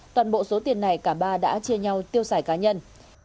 toàn bộ số tiền này cả ba đã chia nhau tiêu xài cá nhân